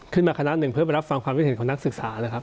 ขึ้นมาคณะ๑เพื่อไปรับฟังความวิเศษของนักศึกษานะครับ